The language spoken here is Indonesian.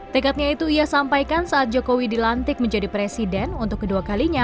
tekadnya itu ia sampaikan saat jokowi dilantik menjadi presiden untuk kedua kalinya